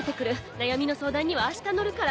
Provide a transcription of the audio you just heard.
悩みの相談には明日乗るから。